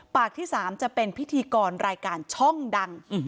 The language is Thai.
ปากที่๓จะเป็นพิธีกรรายการช่องดัง